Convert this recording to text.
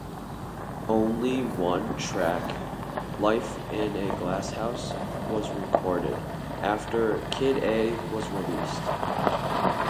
Only one track, "Life in a Glasshouse", was recorded after "Kid A" was released.